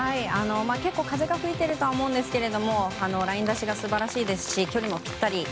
結構、風が吹いているとは思うんですけどライン出しが素晴らしいですし距離もぴったり。